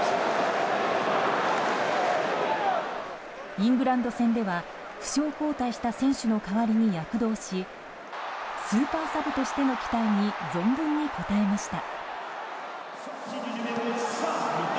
イングランド戦では負傷交代した選手の代わりに躍動しスーパーサブとしての期待に存分に応えました。